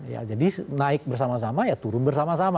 ya jadi naik bersama sama ya turun bersama sama